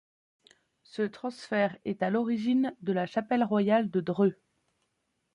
Ce transfert est à l'origine de la chapelle royale de Dreux.